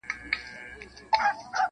• چي په پانوس کي سوځېدلي وي پښېمانه نه ځي -